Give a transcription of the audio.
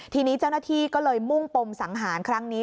ทีนี้เจ้าหน้าที่ก็เลยมุ่งปมสังหารครั้งนี้